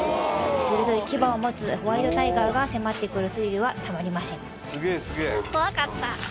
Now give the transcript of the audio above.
鋭い牙を持つホワイトタイガーが迫ってくるスリルはたまりません